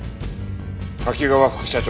滝川副社長。